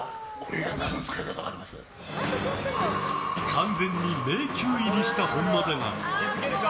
完全に迷宮入りした本間だが。